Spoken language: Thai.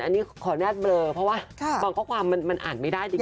อันนี้ขออนุญาตเบลอเพราะว่าบางข้อความมันอ่านไม่ได้จริง